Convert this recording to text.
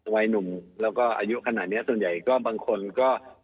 วัยหนุ่มแล้วก็อายุขนาดนี้ส่วนใหญ่ก็บางคนก็